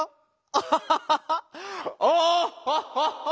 アハハハッ！